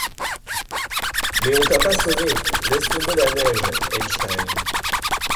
Mais on t'as pas sonné laisse tomber la neige Einstein !